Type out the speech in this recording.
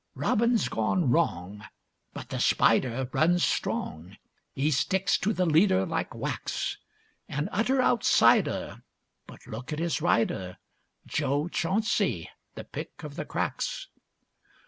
Robin's gone wrong, but the Spider runs strong, He sticks to the leader like wax; An utter outsider, but look at his rider— Jo Chauncy, the pick of the cracks!